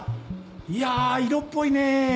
いや色っぽいね。